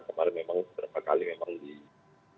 kemarin memang beberapa kali memang dikritik masalah fisik